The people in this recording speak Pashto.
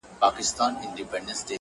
ما درمل راوړه ما په سونډو باندې ووهله-